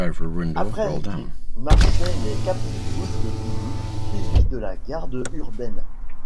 Après Riquet, marchaient les capitouls de Toulouse, suivis de la garde urbaine.